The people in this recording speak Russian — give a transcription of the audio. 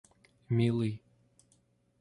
милый